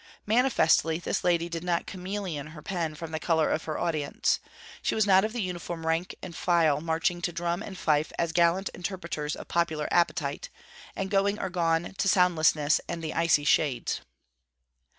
Manifestly this lady did not 'chameleon' her pen from the colour of her audience: she was not of the uniformed rank and file marching to drum and fife as gallant interpreters of popular appetite, and going or gone to soundlessness and the icy shades.